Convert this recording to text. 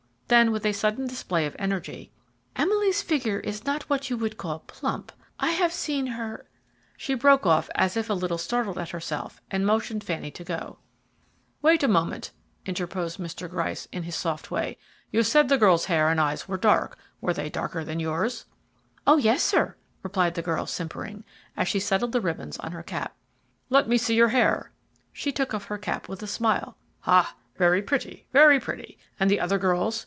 Then with a sudden display of energy, "Emily's figure is not what you would call plump. I have seen her " She broke off as if a little startled at herself and motioned Fanny to go. "Wait a moment," interposed Mr. Gryce in his soft way. "You said the girl's hair and eyes were dark; were they darker than yours?" "O, yes sir;" replied the girl simpering, as she settled the ribbons on her cap. "Let me see your hair." She took off her cap with a smile. "Ha, very pretty, very pretty. And the other girls?